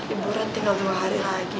ibu ren tinggal dua hari lagi